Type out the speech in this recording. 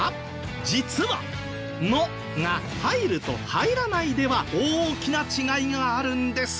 実は「の」が入ると入らないでは大きな違いがあるんですよ。